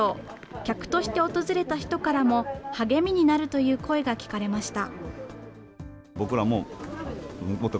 客として訪れた人からも、励みになるという声が聞かれました。